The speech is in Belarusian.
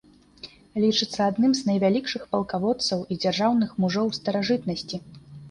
Лічыцца адным з найвялікшых палкаводцаў і дзяржаўных мужоў старажытнасці.